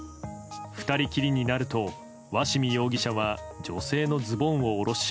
２人きりになると、鷲見容疑者は女性のズボンを下ろし。